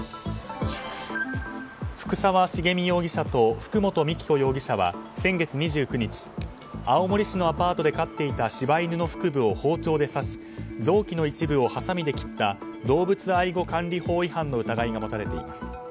福沢重美容疑者と福本美樹子容疑者は先月２９日青森市のアパートで飼っていた柴犬の腹部を包丁で刺し臓器の一部をはさみで切った動物愛護管理法違反の疑いが持たれています。